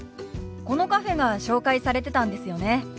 このカフェが紹介されてたんですよね？